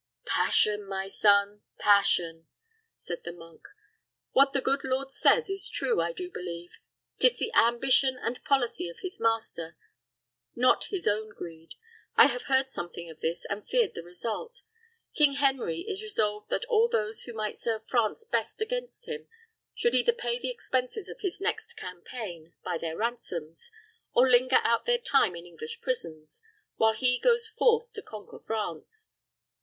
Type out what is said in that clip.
"Passion, my son, passion!" said the monk. "What the good lord says is true, I do believe. 'Tis the ambition and policy of his master, not his own greed. I have heard something of this, and feared the result. King Henry is resolved that all those who might serve France best against him should either pay the expenses of his next campaign by their ransoms, or linger out their time in English prisons, while he goes forth to conquer France."